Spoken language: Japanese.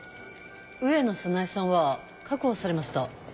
上野早苗さんは確保されました。